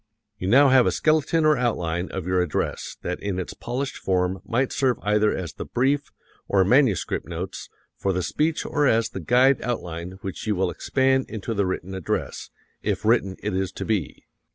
You now have a skeleton or outline of your address that in its polished form might serve either as the brief, or manuscript notes, for the speech or as the guide outline which you will expand into the written address, if written it is to be.